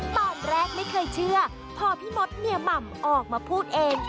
ตอนแรกไม่เคยเชื่อพอพี่มดเมียหม่ำออกมาพูดเอง